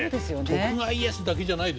徳川家康だけじゃないですよ。